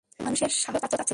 সেও মানুষের সাহচর্য চাচ্ছিল।